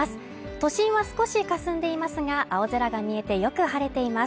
都心は少しかすんでいますが、青空が見えてよく晴れています